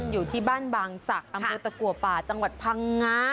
อยู่ที่บ้านบางศักดิ์อำเภอตะกัวป่าจังหวัดพังงา